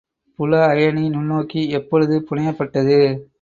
புல அயனி நுண்ணோக்கி எப்பொழுது புனையப்பட்டது?